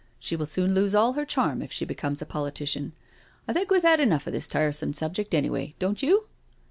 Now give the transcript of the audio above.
" She will soon lose all her charm if she becomes a politician^! think we've had enough of this tiresome subject, anyway, don't you?"